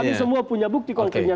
jadi kami semua punya bukti konkrenya